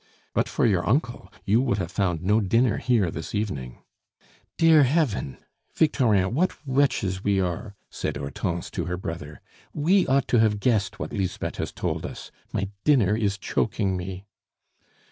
But for your uncle, you would have found no dinner here this evening." "Dear Heaven! Victorin, what wretches we are!" said Hortense to her brother. "We ought to have guessed what Lisbeth has told us. My dinner is choking me!"